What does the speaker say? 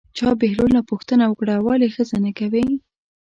چا بهلول نه پوښتنه وکړه ولې ښځه نه کوې.